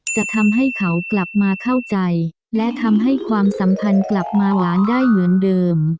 จะทำให้เขากลับมาเข้าใจและทำให้ความสัมพันธ์กลับมาหวานได้เหมือนเดิม